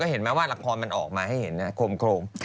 เห็นไหมว่าละครมันออกมาให้เห็นโครม